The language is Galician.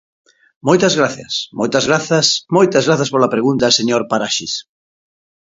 Moitas grazas, moitas grazas, moitas grazas pola pregunta, señor Paraxes.